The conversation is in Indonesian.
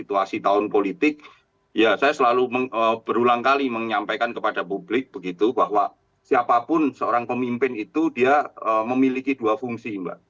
situasi tahun politik ya saya selalu berulang kali menyampaikan kepada publik begitu bahwa siapapun seorang pemimpin itu dia memiliki dua fungsi mbak